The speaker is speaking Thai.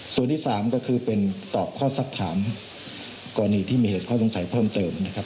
ส่วนที่สามก็คือเป็นตอบข้อสักถามกรณีที่มีเหตุข้อสงสัยเพิ่มเติมนะครับ